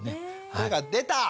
声が出た！